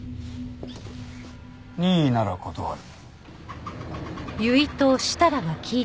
任意なら断る。